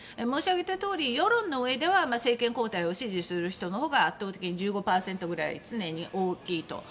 申し上げたとおり世論のうえでは政権交代を支持する人のほうが圧倒的に１５％ぐらい常に大きいと。